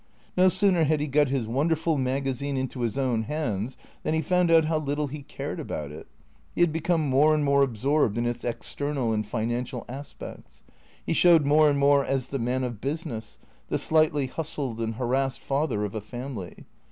No sooner had he got his won derful magazine into his own hands than he found out how little he cared about it. He had become more and more absorbed in its external and financial aspects. He showed more and more as the man of business, the slightly hustled and harassed father of a family.